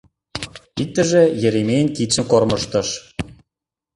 Иктыже Еремейын кидшым кормыжтыш.